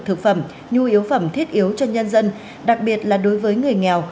thực phẩm nhu yếu phẩm thiết yếu cho nhân dân đặc biệt là đối với người nghèo